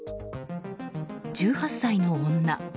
１８歳の女。